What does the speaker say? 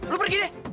lo pergi deh